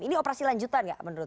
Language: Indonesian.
ini operasi lanjutan gak menurut